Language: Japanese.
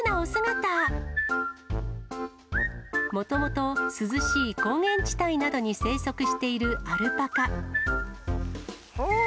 もともと、涼しい高原地帯などに生息しているアルパカ。